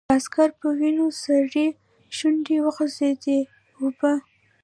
د عسکر په وينو سرې شونډې وخوځېدې: اوبه!